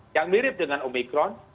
yang mirip dengan omikron